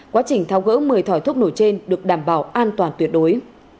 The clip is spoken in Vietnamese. quá trình thao gỡ một mươi thỏi thuốc nổ trên được đảm bảo an toàn tuyệt đối